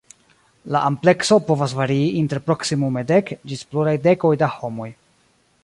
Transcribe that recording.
La amplekso povas varii inter proksimume dek ĝis pluraj dekoj da homoj.